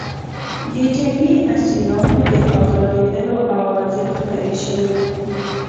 د جنګي اسیرانو د ازادېدلو اوازې خپرې شوې وې